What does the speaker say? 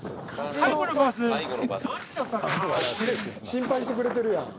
心配してくれてるやん。